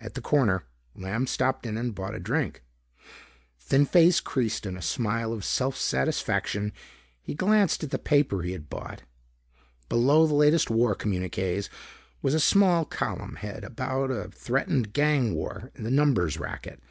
At the corner, Lamb stopped in and bought a drink. Thin face creased in a smile of self satisfaction, he glanced at the paper he had bought. Below the latest war communiques was a small column head about a threatened gang war in the numbers racket.